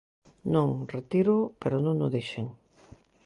Non, retíroo, pero non o dixen.